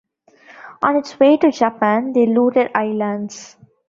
On its way to Japan, they looted islands.